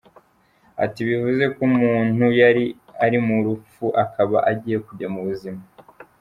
Ati “Bivuze ko umuntu yari ari mu rupfu, akaba agiye kujya mu buzima.